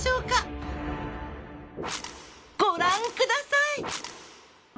ご覧ください。